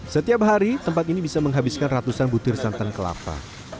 setiap hari tempat ini bisa menghabiskan ratusan butir santan kelapa